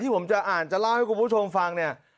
ผมจะอ่านจะเล่าให้คุณผู้ชมฟังเนี่ย